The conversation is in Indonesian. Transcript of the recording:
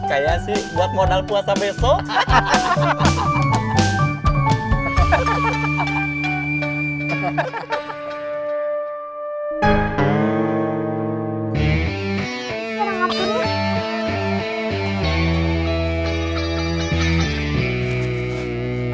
kaya sih buat modal puasa besok